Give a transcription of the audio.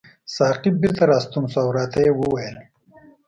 ساقي بیرته راستون شو او راته یې وویل.